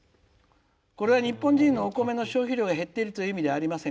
これは日本人のお米の消費量が減っているということではありません。